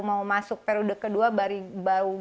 mau masuk periode kedua baru bau